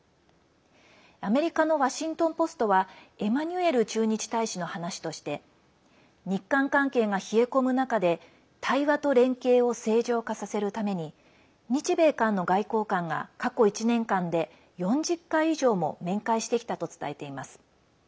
アメリカのワシントン・ポストはエマニュエル駐日大使の話として日韓関係が冷え込む中で対話と連携を正常化させるために日米韓の外交官が過去１年間で４０回以上も面会してきたと伝えています。